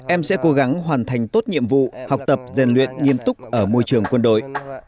em sẽ cố gắng hoàn thành tốt nhiệm vụ học tập rèn luyện nghiêm túc ở môi trường quân đội